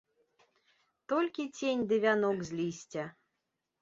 Толькі цень ды вянок з лісця!